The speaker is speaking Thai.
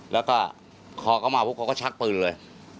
แล้วก็คอกลับมาพวกเขาก็ชักปืนเลย